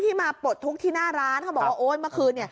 มาปลดทุกข์ที่หน้าร้านเขาบอกว่าโอ๊ยเมื่อคืน